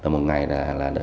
một ngày là